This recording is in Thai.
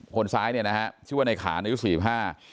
คนซ้ายเนี่ยนะฮะชื่อว่าในขานอายุสี่สิบห้า